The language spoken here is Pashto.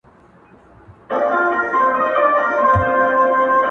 په مټي چي وكړه ژړا پر ځـنـگانــه”